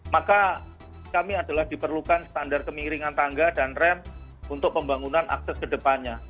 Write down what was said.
maka kami adalah diperlukan standar kemiringan tangga dan rem untuk pembangunan akses ke depannya